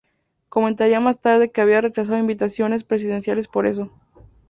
Comentaría más tarde que había rechazado invitaciones presidenciales por eso.